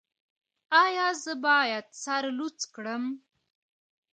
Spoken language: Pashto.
ایا زه باید سر لوڅ کړم؟